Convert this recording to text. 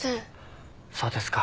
そうですか。